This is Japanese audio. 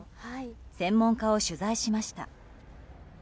専門家を取材しました。